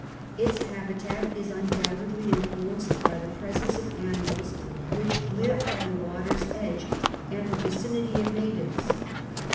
Its habitat is undoubtedly influenced by the presence of animals which live by the water's edge and the vicinity of natives.